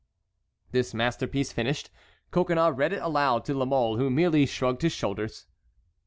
This masterpiece finished, Coconnas read it aloud to La Mole, who merely shrugged his shoulders.